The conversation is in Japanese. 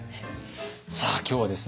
さあ今日はですね